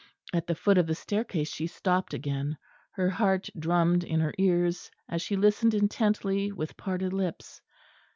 At the foot of the staircase she stopped again; her heart drummed in her ears, as she listened intently with parted lips.